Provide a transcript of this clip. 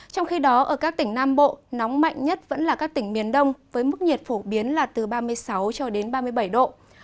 trong khi đó ở các tỉnh nam bộ nóng mạnh nhất vẫn là các tỉnh miền đông với mức nhiệt phổ biến là từ ba mươi sáu cho đến ba mươi bảy độ